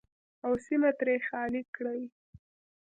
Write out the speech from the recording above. او سیمه ترې خالي کړي.